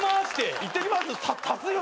いってきます足すよ